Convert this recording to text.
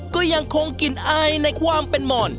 ก็ยังคงกลิ่นอายในความเป็นหมอน